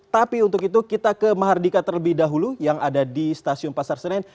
tapi untuk itu kita ke mahardika terlebih dahulu yang ada di stasiun pasar senen